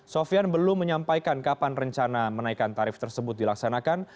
sofian belum menyampaikan kapan rencana menaikan tarif tersebut dilaksanakan